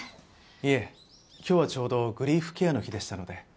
いえ今日はちょうどグリーフケアの日でしたので。